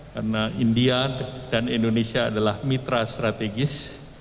karena india dan indonesia adalah mitra strategis